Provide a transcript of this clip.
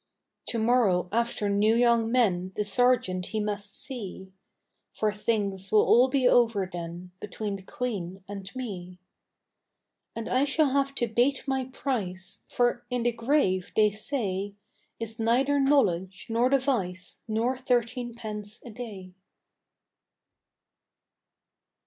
To morrow after new young men The sergeant he must see, For things will all be over then Between the Queen and me. And I shall have to bate my price, For in the grave, they say, Is neither knowledge nor device Nor thirteen pence a day.